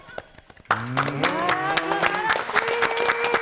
すばらしい。